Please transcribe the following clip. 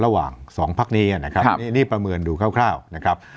ระหว่างสองภาคนี้อะนะครับครับนี่นี่ประเมินดูคร่าวคร่าวนะครับ